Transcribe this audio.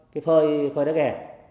cái phơi đó kìa